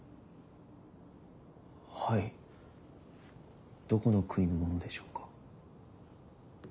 はいどこの国のものでしょうか？